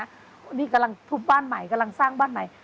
นี่กำลังทุบบ้านใหม่กำลังสร้างบ้านใหม่